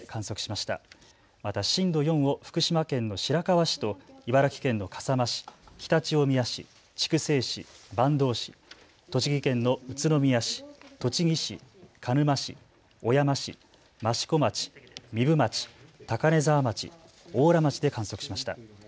また震度４を福島県の白河市と茨城県の笠間市、常陸大宮市、筑西市、坂東市、栃木県の宇都宮市、栃木市、鹿沼市、小山市、益子町、壬生町、高根沢町、邑楽町で観測しました。